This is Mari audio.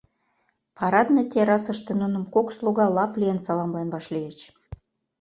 Парадный террасыште нуным кок слуга лап лийын саламлен вашлийыч.